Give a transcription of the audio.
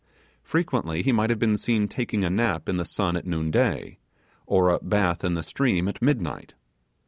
Frequently he might have been seen taking a nap in the sun at noon day, or a bath in the stream of mid night.